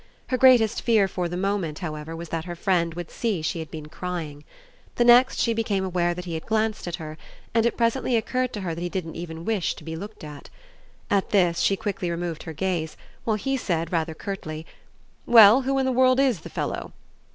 Her greatest fear for the moment, however, was that her friend would see she had been crying. The next she became aware that he had glanced at her, and it presently occurred to her that he didn't even wish to be looked at. At this she quickly removed her gaze, while he said rather curtly: "Well, who in the world IS the fellow?"